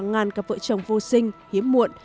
hàng ngàn cặp vợ chồng vô sinh hiếm muộn